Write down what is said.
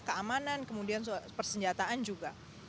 keamanan kemudian persenjataan juga